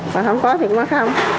còn không có thì nó không